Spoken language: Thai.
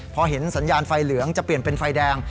พอเห็นสัญญาณไฟเหลืองจะเปลี่ยนเป็นไฟแดง